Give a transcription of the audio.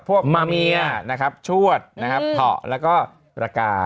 พวกมะเมียนะครับชวดนะครับเพาะแล้วก็ระกา